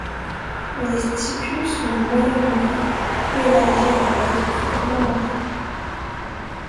Les stipules sont de moyenne longueur, peu élargies à la base, fortement dentées.